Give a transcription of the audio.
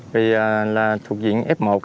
vì là thuộc diện f một